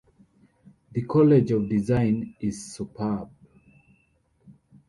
The College of Design is superb.